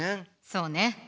そうね。